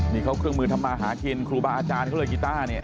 นี่เค้าเครื่องมือทำมาหาทีนครูบาอาจารย์เค้าเลยกิต้าร์